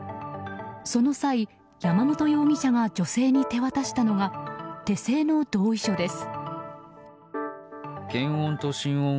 その際、山本容疑者が女性に手渡したのが手製の同意書です。